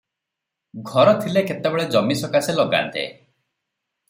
ଘର ଥିଲେ କେତେବେଳେ ଜମି ସକାଶେ ଲଗାନ୍ତେ ।